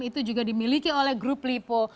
itu juga dimiliki oleh grup lipo